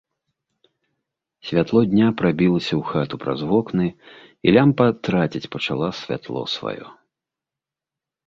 Святло дня прабілася ў хату праз вокны, і лямпа траціць пачала святло сваё.